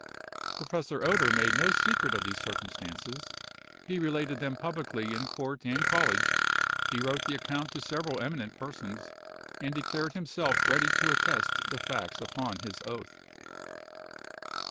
Professor Oeder made no secret of these circumstances; he related them publicly in court and college; he wrote the account to several eminent persons, and declared himself ready to attest the facts upon his oath.